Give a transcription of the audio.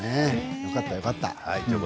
よかった、よかった。